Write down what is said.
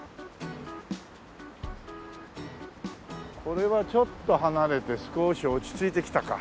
これはちょっと離れて少し落ち着いてきたか。